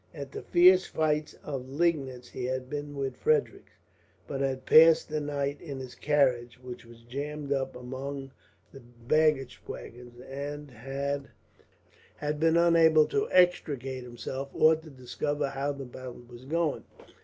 At the fierce fight of Liegnitz he had been with Frederick, but had passed the night in his carriage, which was jammed up among the baggage wagons, and had been unable to extricate himself or to discover how the battle was going on.